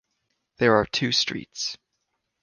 There are two streets.